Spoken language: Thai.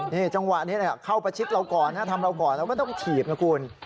นี่จังหวะนี้เข้าประชิดเราก่อนนะทำเราก่อนเราก็ต้องถีบนะคุณ